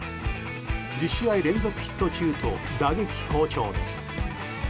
１０試合連続ヒット中と打撃好調です。